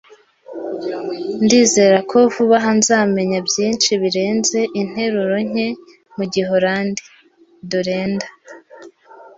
Ndizera ko vuba aha nzamenya byinshi birenze interuro nke mu giholandi. (Dorenda)